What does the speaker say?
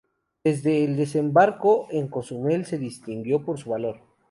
Desde el desembarco en Cozumel se distinguió por su valor.